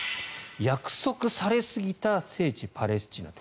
約束されすぎた聖地パレスチナと。